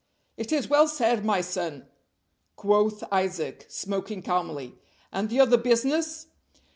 "It is well said, my son," quoth Isaac, smoking calmly, "and the other business?"